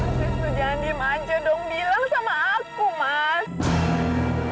mas wisnu jangan dimanjur dong bilang sama aku mas